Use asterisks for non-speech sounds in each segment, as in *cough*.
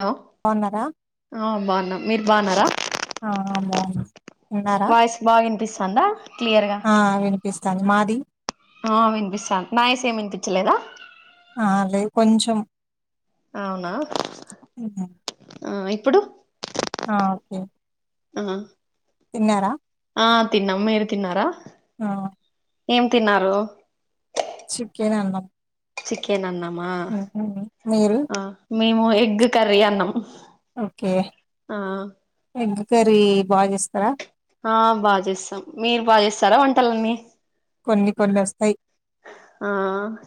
Hello బావున్నారా ఆ బావున్నాం మీరు బాగున్నారా ఆ బాగున్నా ఉన్నారా వాయిస్ బాగా వినిపిస్తందా క్లియర్ గా పిస్తాంది మాది ఆ వినిపిస్తంది నా వాయిస్ ఏం వినిపించ లేదా ఆ లేదు కొంచం అవునా ఉమ్మ్ ఇప్పుడు ఆ ఒకే ఆ తిన్నారా ఆ తిన్నాం మీరు తిన్నారా ఆ ఏం తిన్నారు చికెన్ అన్నం చికెన్ అన్నామా ఉహు. మీరు ఆ మేము ఎగ్ కర్రీ అన్నం ఓకే ఎగ్ కర్రీ బా జేస్తారా ఆ బా జేస్తాం మీరు బాగా చేస్తారా వంటలన్ని కొన్ని కొన్నొస్తాయ్ ఆ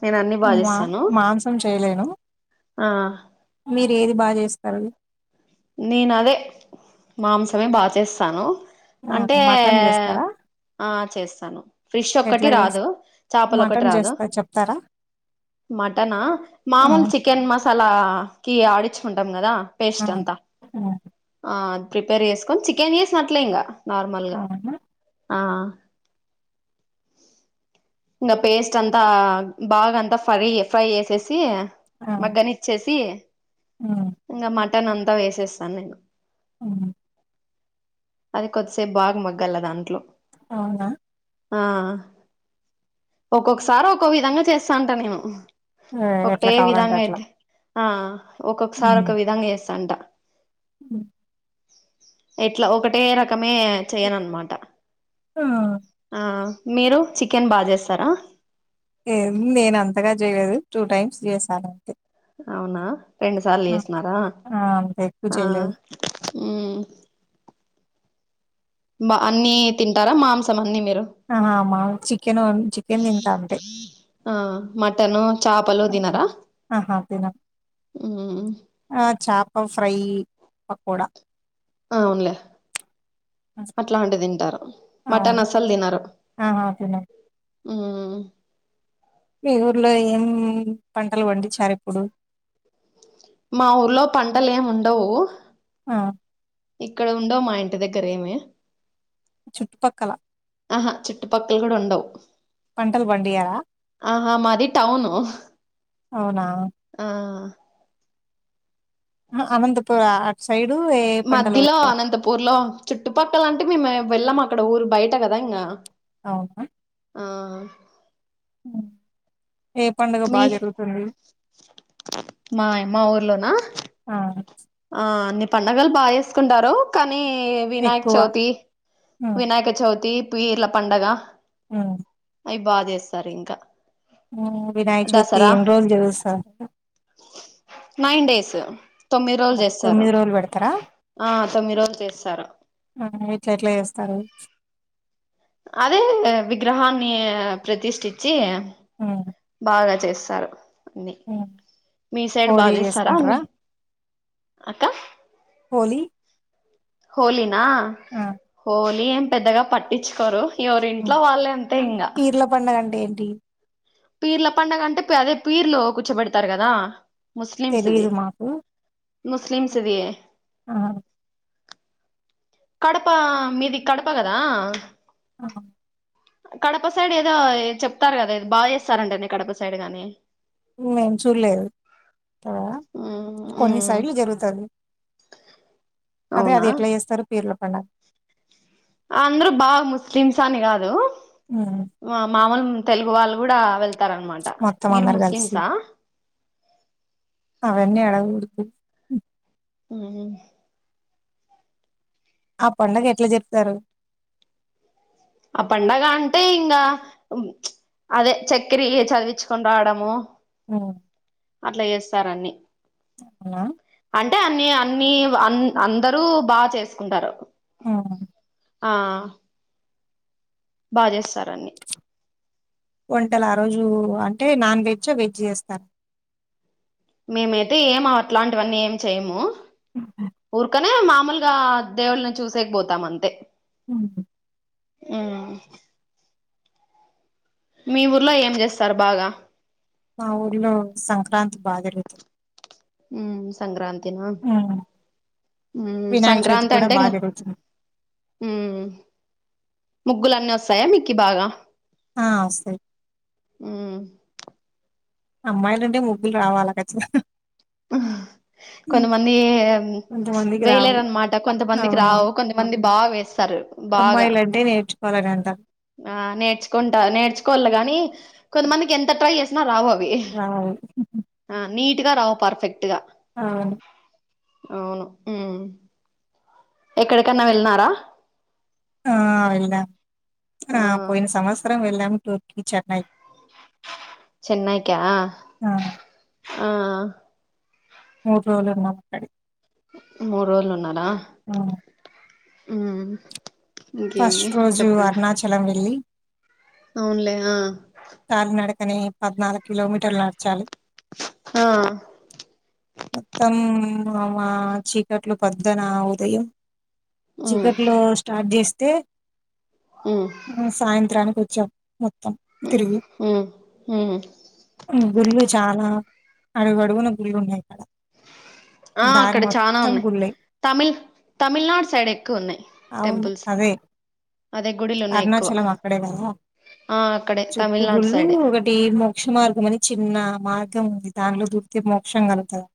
నేను అన్ని బాగా మాం చేస్తాను మాంసం చేయలేను ఆ మీరు ఏది బా జేస్తరు నేను అదే మాంసమే బా చేస్తాను ఆ అంటే మటన్ చేస్తారా ఆ చేస్తాను ఫిష్ ఒక్కటి ఎట్లా చేస్ రాదు చేపలు ఒకటి మటన్ రాదు చేస్తా చెప్తారా మటనా ఆ మామూలు చికెన్ మసాలా కి ఆడిచ్చుకుంటాం కదా ఆ పేస్ట్ అంతా ఆ ఆ అది ప్రిపేర్ చేసుకొని చికెన్ చేసినట్లే ఇంకా ఆ నార్మల్గా అవునా ఆ ఇంగ పేస్ట్ అంతా బాగా అంతా ఫ్రై ఫ్రై చేసేసి ఆ మగ్గనిచ్చేసి ఉమ్ ఇంకా మటన్ అంతా వేసేస్తాను నేను ఊహు అది కొద్దిసేపు బాగా మగ్గాల దాంట్లో అవునా ఆ ఒక్కొక్కసారి ఒక్కొ విధంగా చేస్తాంట నేను ఎట్లా ఒకటే కావాలంటే విధంగా అట్లా అయితే ఆ ఒక్కొక్కసారి ఒక విధంగా చేస్తాంట ఉ ఎట్లా ఒకటే రకమే చెయనన్నమాట ఆ! ఆ మీరు చికెన్ బా జేస్తారా ఏం నేను అంతగా చేయలేదు టూ టైమ్స్ చేసానంతే అవునా రెండు సార్లు చేసినారా ఆ! అంత ఎక్కువ ఆ చేయలేదు. ఊ బ అన్ని తింటారా మాంసం అన్నీ మీరు ఆహా మా చికెన్ చికెన్ తింతా అంతే ఆ మటను చాపలు దినరా ఆహా! తినను. ఊ ఆ చాప ఫ్రై పకోడా అవునులే అట్లాంటిది తింటారు అవును. మటన్ అస్సల్ తినరు ఆహా! తినను. ఊ మీ ఊర్లో ఏం పంటలు పండించారు ఇప్పుడు మా ఊర్లో పంటలు ఏమి ఉండవు ఆ ఇక్కడ ఉండవు మా ఇంటి దగ్గర ఏమి చుట్టుపక్కల ఆహా చుట్టు పక్కల కూడా ఉండవు పంటల్ బండియ్యరా ఆహా మాది టౌను అవునా ఆ అనంతపూరా సైడు ఏ పంటలు మధ్యలో అనంతపూర్ లో చుట్టుపక్కల అంటే మేము వెళ్ళం అక్కడ ఊరు బయట కదా ఇంకా అవును ఏ పండుగ మీ బాగా జరుగుతుంది మా ఎ మా ఊర్లోనా అవును ఆ అన్ని పండగలు బా చేసుకుంటారు కానీ వినాయక ఎక్కువ. చవితి హ్మ్. వినాయక చవితి పీర్ల పండగ హ్మ్ అవి బా చేస్తారు ఇంకా వినాయక చవితి దసరా ఎన్ని రోజులు చేస్తారు నైన్ డేస్ తొమ్మిది రోజులు చేస్తారు తొమ్మిది రోజులు పెడతారా ఆ తొమ్మిది రోజులు చేస్తారు ఆ ఎట్లా ఎట్లా చేస్తారు అదే విగ్రహాన్ని ప్రతిష్ఠించి బాగా చేస్తారు అన్ని మీ సైడ్ హోలీ బాజేస్తారా చేసుకుంటారా అన్నీ అక్క హోలీ హోలీనా హోలీ ఏం పెద్దగా పట్టించుకోరు ఎవరింట్లో వాళ్ళే అంతే అంటే ఇంకా పీర్ల పండుగ అంటే ఏంటి పీర్ల పండగ అంటే అదే పీర్లు కూర్చోబెడతారు కదా ముస్లిమ్స్ది తెలీదు మాకు ముస్లిమ్స్ది ఆ కడప మీది కడప కదా అ కడప సైడ్ ఏదో చెప్తారు కదా బా చేస్తారంటనె కడప సైడ్ గాని మేము చూడలేదు కొన్ని సైడ్లు జరుగుతాది అదే అవునా అది ఎట్లా చేస్తారు పీర్ల పండగ అందరు బాగా ముస్లిమ్స్ అని కాదు హ్మ్ మామూలు తెలుగు వాళ్ళు కూడా వెళ్తారనమాట మొత్తం మీరు అందరు కలిసి ముస్లిమ్సా అవన్నీ అడగ కూడదు హ్మ్ ఆ పండుగ ఎట్లా చెప్తారు ఆ పండగ అంటే ఇంగా అదే చక్కెర యి చదివించుకొని రావడము హ్మ్ అట్లా చేస్తారన్ని హలో అంటే అన్నీ అన్నీ అ అందరూ బా చేసుకుంటారు హ్మ్ ఆ బాగా చేస్తారన్ని. వంటలు ఆ రోజు అంటే నాన్ వెజ్ వెజ్ చేస్తారు. మేమైతే ఏమ అట్లాంటివన్నీ ఏం చేయము ఊరు, అక్కనే మామూలుగా దేవుళని చూసేక పోతాం అంతే. ఉహు ఆ మీ ఊర్లో ఏం చేస్తారు బాగా మా ఊర్లో సంక్రాంతి బాగాజరుగుతుంది. ఉ సంక్రాంతిన, హ్మ్. వినాయక చవితి సంక్రాంతి కూడా అంటే బాగా ఇకా జరుగుతుంది ఉ ముగ్గులన్నీ వస్తాయా మీకు బాగా, ఆ వస్తాయి. అమ్మాయిలుంటే ముగ్గులు రావాలి కచ్చితంగా, కొంతమంది కొంతమందికి రావు వేయలేరనమాట కొంతమందికి రావు కొ మంది బాగా వేస్తారు. బాగా అమ్మాయిల అంటే నేర్చుకోవాలని అంటారు. ఆ నేర్చుకుంటా నేర్చుకోవాలి గాని కొంతమందికి ఎంత ట్రై చేస్త, రావు అవి రావు నీట్గా రావు పర్ఫెక్ట్ గా అవును. అవును ఎక్కడికన్నా వెళ్ళన్నారా ఆ వెళ్ళాం ఆ పోయిన సంవత్సరం వెళ్ళాము టూర్కి చెన్నైకి, చెన్నైయక ఆ మూడు రోజులు ఉన్నక్కడి, మూడు రోజులు ఉన్నారాన్. ఆ ఉ ఇంకేమి చెప్పండి. కలం వెళ్ళి, అవునులే ఆ కాల్ నడకని పద్నాలుగు కిలోమీటర్లు నడచాలి ఉ హా మొత్తం మా చీకట్లు పొడ్డున ఉదయం. ఉమ్ చికట్లు స్టార్ట్ చేస్తే ఉమ్ సాయంత్రానికి వచ్చాం మొత్తం తిరిగి, ఉమ్ ఉమ్ గుళ్ళు చాలా అడుగుడుగున గుళ్ళు ఉన్నాయిక్కడ, ఆ అక్కడ చనా ఉన్నాయి్ తమిళ తమిళనాడు సైడ్ ఎక్కువ ఉన్నాయి అవును టెంపుల్స్. అదే అదే గుడిలు ఉన్నాయి ఎక్కువ అరుణాచలం అక్కడే కదా ఆ అక్కడే తమిళనాడు సైడ్ఏ అంటే మోక్ష మార్గం అని చిన్న మార్గం ఉంది దానిట్లో దుర్తే మోక్షంగా అతంది.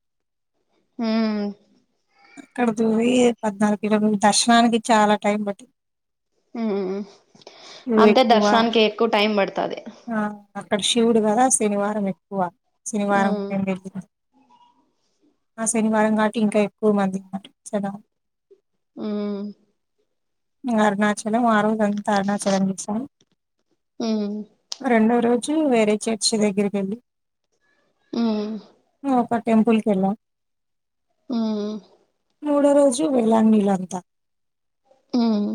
ఊహు అక్కడ దూరి పద్నాలుగు కిలోమీ దర్శనానికి చాలా టైం పట్టింది. ఉమ్ క్యూ అంటే ఎక్కువ దర్శనానికి ఎక్కువ టైం పడుతుది. ఆ అక్కడ శివుడు కదా శనివారం ఎక్కువ శనివారం ఉమ్ *inaudible* ఆ శనివారం కాట్టి ఇంకా ఎక్కువ మంది *inaudible* ఊ అరుణాచలం ఆ రోజు అంతా అరుణాచలం చూశాం ఊ రెండో రోజు వేరే చర్చ్ దగ్గరికి ఎళ్ళి ఉమ్ ఒక టెంపుల్ కెళ్ళా ఉమ్ మూడో రోజు వేళానీలంతా ఉమ్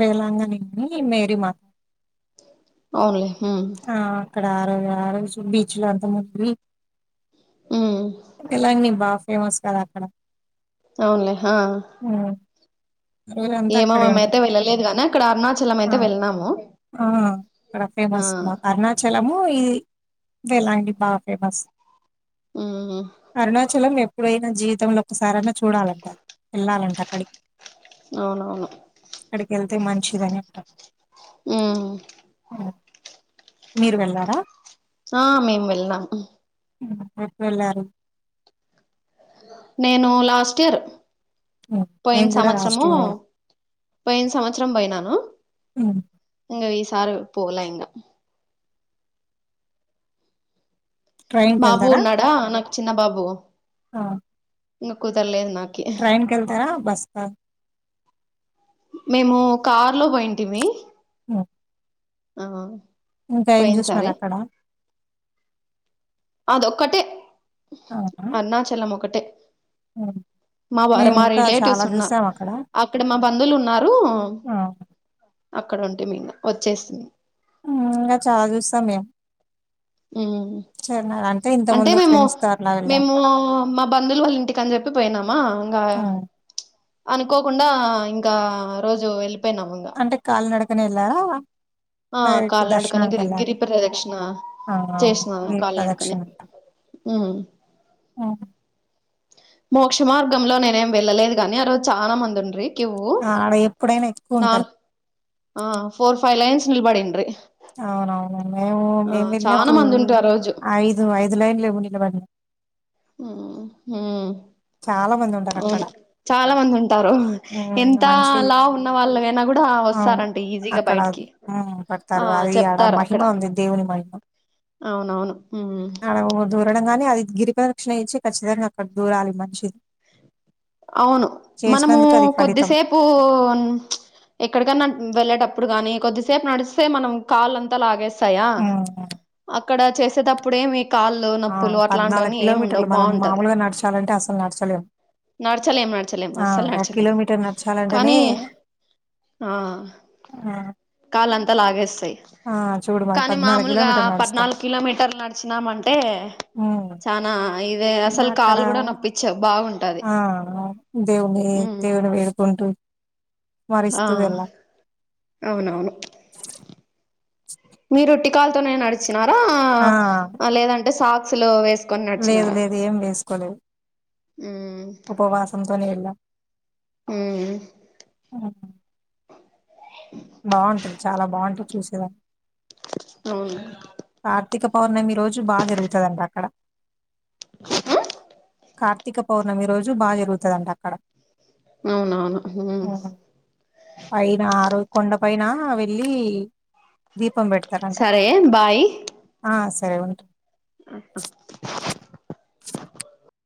వేలాంగణి అని మేరి మా అవునులే హూ ఆ అక్కడ ఆ రోజు ఆ రోజు బీచ్ లో అంతా మునివి ఊ వేలాంగ్ని బా ఫేమస్ కదా అక్కడ అవునులే హా ఉమ్. ఆ రోజంతా ఏమో అక్కడే ఉండి మేమైతే వెళ్ళలేదు గానీ ఆక్కడ అరుణాచలం ఆ అయితే వెళ్ళినాము ఆ అక్కడ ఆ ఫేమస్ మా అరుణాచలము ఇది వేలాంగిణి బాగా ఫేమస్ ఉమ్ అరుణాచలం నే ప్పుడైనా జీవితంలో ఒక్కసారి అన్నా చూడాలంట ఎళ్ళాలంట అక్కడి అవునవును అక్కడికగళ్తే మంచిది అని అంటా ఊ మీరు వెళ్లారా ఆ మేము వెళ్ళినాం ఊ ఎప్పు వెళ్లారు నేను లాస్ట్ ఇయర్ ఉమ్. పోయిన మేము కూడా లాస్ట్ సమచ్చరము ఇయర్ పోయిన సమచ్చరం పోయినాను ఇంకా ఈసారి పోలే ఇంకా ట్రైన్ బాబు కెళ్తారా? ఉన్నాడా నాకు చిన్న బాబు ఆ ఇంక కుదరలేదు నా ట్రైన్ కెళ్తారా బస్ కా మేము కార్ లో పోయింటిమి ఊ ఆ ఇంకా ఏం పోయిన చూసినారు సారి అక్కడ అదొక్కటే అవునా అరుణాచలం ఒకటే ఊ మా వారు మా రిలేటివ్స్ ఉన్నా అక్కడ. అక్కడ మా బంధువులు ఉన్నారు ఆ! అక్కడ ఉంటిమి ఇంగ వచ్చేస్తిమి ఊ ఇంకా చాలా చూస్తాం మేం ఊ అది అంతే ఇంతకు ముందు ఫ్రెండ్స్ తో ఆ మేము మా బంధువులు వాళ్ళ ఇంటికి అని చెప్పి పోయినామా ఇంగా హ్మ్. అనుకోకుండా ఇంకా ఆ రోజు వెళ్ళిపోయినాము *inaudible* అంటే కాలినడకనే ఎళ్ళారా ఆ కల్నాడకన గిరి గిరిప్రదక్షిణ ఆ! అవును. చేసినాను గిరి కాలినడకనే ప్రదక్షిణ ఉ ఆహ మోక్ష మార్గంలో నేనేమ్ వెళ్ళలేదు గాని ఆ రోజు చాలా మందుండ్రి ఆ ఆడ ఎప్పుడైనా ఎక్కువుంటారు ఆ ఫోర్ ఫైవ్ లైన్స్ నిల్బదిండ్రీ అవునవును మేము మేము చానా వెళ్ళినప్పుడు మంది ఉంట్రి ఆ రోజు ఐదు ఐదు లైన్ లేము నిలబడిడి ఊ హూ చాలా మందుం అవును చాలా మందంటారు హ్మ్. ఎంత మనిషి లాఉన్న వాళ్ళ కైనా కూడా అవును వస్తారం ఈజీగా అక్కడ బయటికి హ్మ్ ఆ పడతారు. అది ఆడ చెప్తార మహిమ అక్కడ ఉంది దేవుని మహిమ. అవునవును హూ దూరడం గాని అది గిరిప్రదక్షిణ అయితే ఖచ్చితంగా అక్కడ దూరాలి మంచిది అవును మనము ఫలితం. కొద్దిసేపు ఎక్కడికన్నా వెళ్ళేటప్పుడు గాని కొద్దిసేపు నడిస్తే మనం కాళ్ళంతా లాగేస్తాయా హ్మ్. అక్కడ చేసేటప్పుడేమీ కాళ్ ఆ పద్నాలుగు కిలోమీటర్లు మనం మామూలుగా నడచాలంటే అసలు నడచలేం నడచలేం నడచలేం ఆ! అస్సల్ ఒక నడచలేం కిలోమీటర్ నడచాలంటేనే కానీ ఆ ఆ! కాళంతా లాగేస్తాయ్ ఆ చూడు మరి పద్నాలుగు కిలోమీటర్లు నడుస్తాం పద్నాలుగు కిలోమీటర్లు నడిచినామంటే హ్మ్. చనా ఇదే అసల్ అక్కడ కాలు కూడా నొప్పిచ్చవ్ బాగుంటది ఆ దేవుని ఉమ్, దేవుని వేడుకుంటూ ఆ స్మరిస్తూ వెళ్ళ అవునవును మీరోట్టి కాళ్తోనే నడిచినారా ఆ! లేదంటే సాక్స్ లో వేస్ లేదు లేదు ఏం వేస్కోలేదు ఉమ్ ఉపవాసంతోని ఎళ్ళ ఊ బావుంటది చాలా బావుంటది చూసేదా అవును కార్తీక పౌర్ణమీ రోజు బా జరుగుతదంట అక్కడ ఊ కార్తీక పౌర్ణమి రోజు బా జరుగుతదంట అక్కడ అవునవును హూ హ్మ్. పైన ఆరో కొండ పైన వెళ్ళి దీపం పెడత్ సరే బాయ్ ఆ సరే వుంట్ ఆ హ